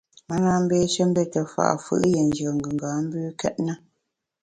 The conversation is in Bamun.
Me na mbeshe mbete fa’ fù’ yie nyùen gùnga mbükét na.